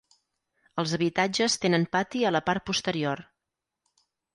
Els habitatges tenen pati a la part posterior.